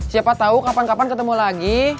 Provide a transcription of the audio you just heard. siapa tahu kapan kapan ketemu lagi